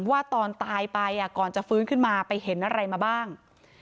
ว่าตอนตายไปก่อนจะฟื้นขึ้นมาไปเห็นอะไรมาบ้าง